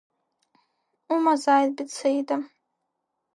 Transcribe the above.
Агәаҟра умазааит Беҭсаида!